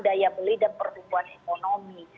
daya beli dan pertumbuhan ekonomi